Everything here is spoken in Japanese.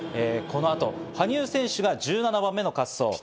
この後、羽生選手が１７番目の滑走。